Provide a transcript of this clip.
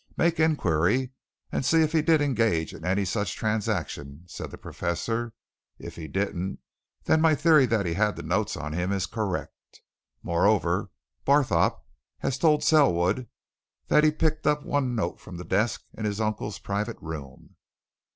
Make inquiry, and see if he did engage in any such transaction," said the Professor. "If he didn't, then my theory that he had the notes on him is correct. Moreover, Barthorpe has told Selwood that he picked up one note from the desk in his uncle's private room."